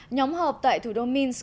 nhóm họp tại thủ đô minsk